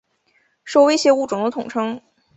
受威胁物种的统称。